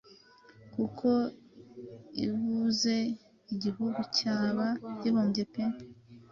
kuko ibuze igihugu cyaba gihombye pe